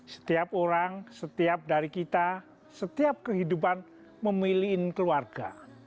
setiap orang setiap dari kita setiap kehidupan memilihin keluarga